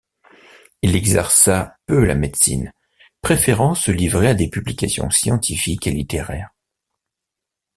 Il exerça peu la médecine, préférant se livrer à des publications scientifiques et littéraires.